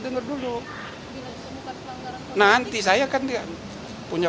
denger dulu nanti saya akan dia punya